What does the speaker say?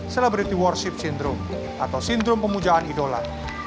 celebrity worship syndrome atau sindrum pemujaan idola